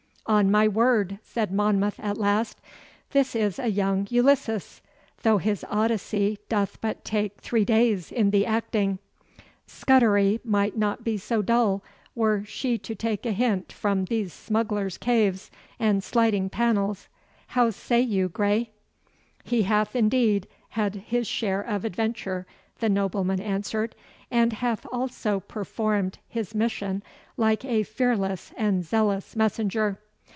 'On my word,' said Monmouth at last, 'this is a young Ulysses, though his Odyssey doth but take three days in the acting. Scudery might not be so dull were she to take a hint from these smugglers' caves and sliding panels. How say you, Grey?' 'He hath indeed had his share of adventure,' the nobleman answered, 'and hath also performed his mission like a fearless and zealous messenger.